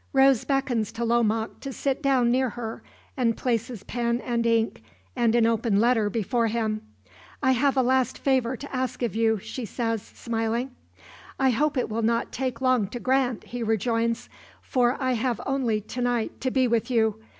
Rose beckons to Lomaque to sit down near her, and places pen and ink and an open letter before him. "I have a last favor to ask of you," she says, smiling. "I hope it will not take long to grant," he rejoins; "for I have only to night to be with you.